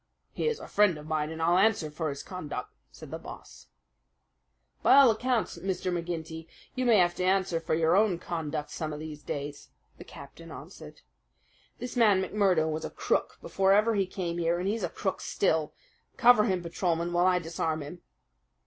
"He is a friend of mine, and I'll answer for his conduct," said the Boss. "By all accounts, Mr. McGinty, you may have to answer for your own conduct some of these days," the captain answered. "This man McMurdo was a crook before ever he came here, and he's a crook still. Cover him, Patrolman, while I disarm him."